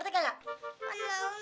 mak jangan buat sendirian